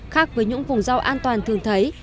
khác với những vùng rau an toàn thường thấy